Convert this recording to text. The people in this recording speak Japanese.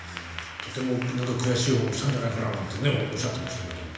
とても悔しい思いもしたんじゃないかななんてねおっしゃってましたけど。